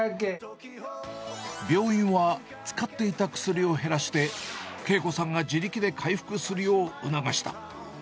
病院は使っていた薬を減らして、慶子さんが自力で回復するよう促した。